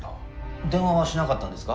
電話はしなかったんですか？